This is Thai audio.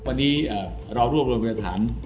วันนี้เรารวบรวมพยานฐาน